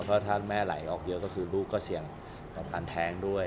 เพราะถ้าแม่ไหลออกเยอะก็คือลูกก็เสี่ยงกับการแท้งด้วย